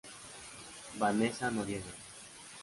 Vanessa Noriega.